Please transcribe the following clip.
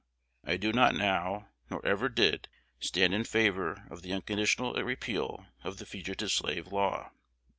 I do not now, nor ever did, stand in favor of the unconditional repeal of the Fugitive Slave Law.